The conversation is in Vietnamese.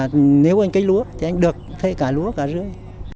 thế thì còn nếu như anh không cây lúa thì anh được cây cả lúa cả dươi